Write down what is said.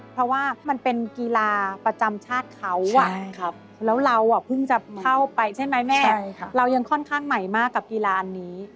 เพราะว่ามันเป็นกีฬาประจำชาติเขาแล้วเราเพิ่งจะเข้าไปใช่ไหมแม่เรายังค่อนข้างใหม่มากกับกีฬาอันนี้